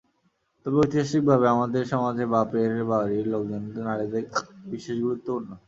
তবে ঐতিহাসিকভাবে আমাদের সমাজে বাপের বাড়ির লোকজন নারীদের কাছে বিশেষ গুরুত্বপূর্ণ।